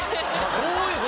どういう事？